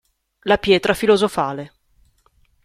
La pietra filosofale